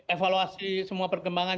evaluasi semua perkembangan